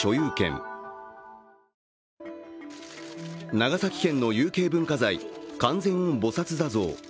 長崎県の有形文化財、観世音菩薩坐像。